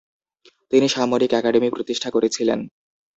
তিনি সামরিক একাডেমি প্রতিষ্ঠা করেছিলেন।